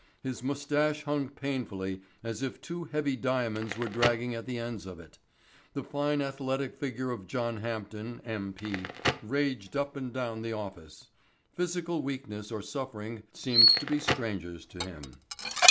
His moustache hung painfully, as if two heavy diamonds were dragging at the ends of it. The fine athletic figure of John Hampden, M.P., raged up and down the office. Physical weakness or suffering seemed to be strangers to him.